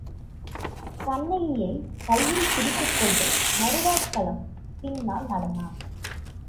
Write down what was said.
கண்ணகியைக் கையில் பிடித்துக்கொண்டு மருதாசலம் பின்னால் நடந்தான்.